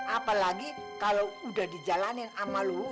apalagi kalau udah dijalanin sama lu